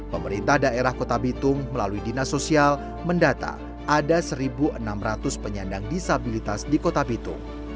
pemerintah daerah kota bitung melalui dinas sosial mendata ada satu enam ratus penyandang disabilitas di kota bitung